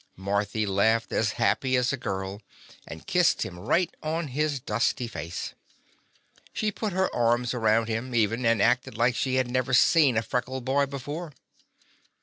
Marthy laughed as happy as a girl, and kissed him right on his dusty face. She put her arms around him, even, and acted like she had never seen a freckled boy before.